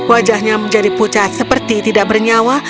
wajahnya menjadi pucat seperti tidak bernyawa